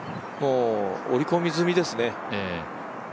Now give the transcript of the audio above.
もう織り込み済みですね。